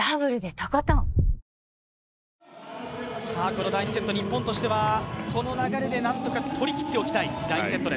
この第２セット日本としては、この流れでなんとか取りきっておきたい。